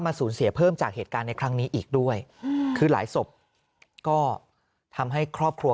สูญเสียเพิ่มจากเหตุการณ์ในครั้งนี้อีกด้วยคือหลายศพก็ทำให้ครอบครัว